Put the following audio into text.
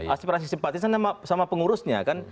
aspirasi simpatisan sama pengurusnya kan